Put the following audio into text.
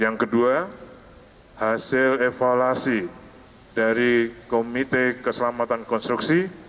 yang kedua hasil evaluasi dari komite keselamatan konstruksi